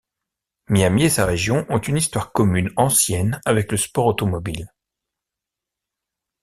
Miami et sa région ont une histoire commune ancienne avec le sport automobile.